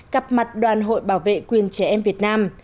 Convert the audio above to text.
gặp mặt đoàn hội bảo vệ quyền trẻ em việt nam